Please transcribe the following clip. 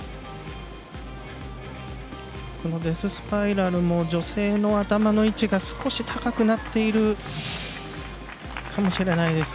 デススパイラルも女性の頭の位置が少し高くなっているかもしれません。